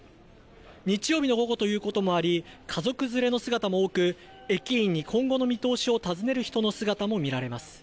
日曜日の午後ということもあり家族連れの姿も多く駅員に今後の見通しを尋ねる人の姿も見られます。